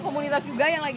ikutan pendinginan boleh gak